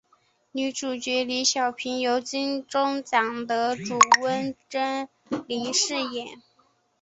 女主角李晓萍由金钟奖得主温贞菱饰演。